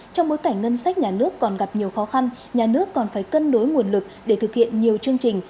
trong bối cảnh ngân sách nhà nước còn gặp nhiều khó khăn nhà nước còn phải cân đối nguồn lực để thực hiện nhiều chương trình